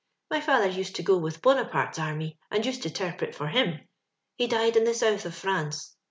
My father used to go with Bonaparte's array, and used to 'terpret for him. He died in the South of France.